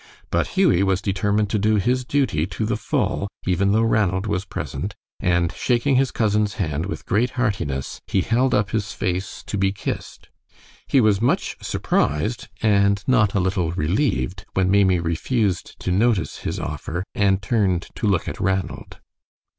But Hughie was determined to do his duty to the full, even though Ranald was present, and shaking his cousin's hand with great heartiness, he held up his face to be kissed. He was much surprised, and not a little relieved, when Maimie refused to notice his offer and turned to look at Ranald.